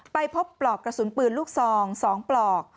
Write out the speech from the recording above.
ไปพบปลอกกระสุนปืนลูกซอง๒ปลอก